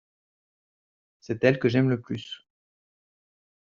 c'est elle que j'aime le plus.